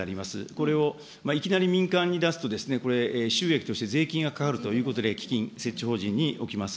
これをいきなり民間に出すと、これ、収益として税金がかかるということで、基金設置法人におきます。